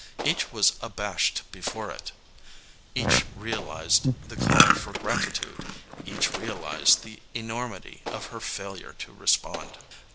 Each was abashed before it. Each realized the call for gratitude, each realized the enormity of her failure to respond.